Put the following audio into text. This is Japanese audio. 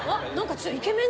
ちょっとイケメン。